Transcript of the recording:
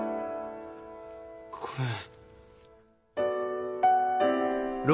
これ。